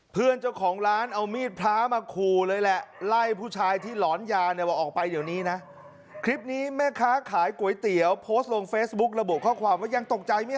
โปรดติดตามตอนต่อไป